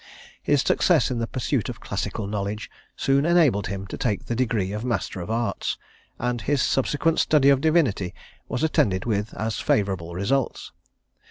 His success in the pursuit of classical knowledge soon enabled him to take the degree of Master of Arts, and his subsequent study of divinity was attended with as favourable results.